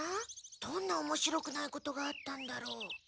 どんなおもしろくないことがあったんだろう？